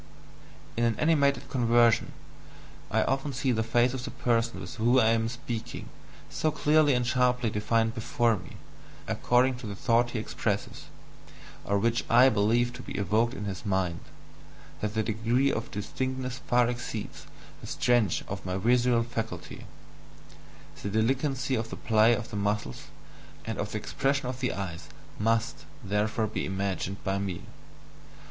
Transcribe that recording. In an animated conversation, I often see the face of the person with whom I am speaking so clearly and sharply defined before me, according to the thought he expresses, or which I believe to be evoked in his mind, that the degree of distinctness far exceeds the STRENGTH of my visual faculty the delicacy of the play of the muscles and of the expression of the eyes MUST therefore be imagined by me.